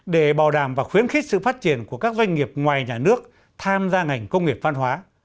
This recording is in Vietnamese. để bảo đảm và khuyến khích sự phát triển của các doanh nghiệp ngoài nhà nước tham gia ngành công nghiệp văn hóa